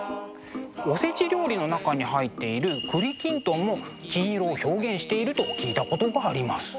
おせち料理の中に入っている栗きんとんも金色を表現していると聞いたことがあります。